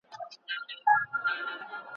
تعلیم کول تر بل هر څه ډیر مهم دي.